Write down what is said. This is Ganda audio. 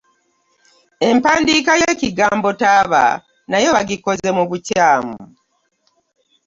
Empandiika y'ekigambo taaba nayo baagikoze mu bukyamu.